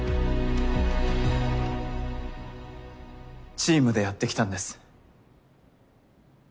チームでやってきたんです。